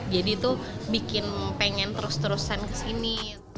jadi itu bikin pengen terus terusan kesini